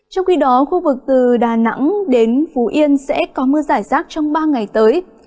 trong khi đó khu vực từ đà nẵng đến phú yên sẽ có mưa giải rác trong ba ngày tới